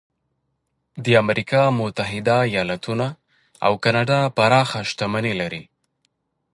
د امریکا متحده ایالتونو او کاناډا پراخه شتمني شته.